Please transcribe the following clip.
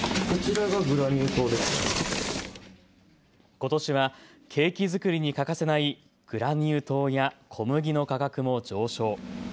ことしはケーキ作りに欠かせないグラニュー糖や小麦の価格も上昇。